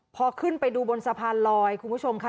พอขึ้นไปดูบนสะพานลอยคุณผู้ชมค่ะ